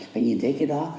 phải nhìn thấy cái đó